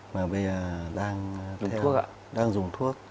mà bây giờ đang dùng thuốc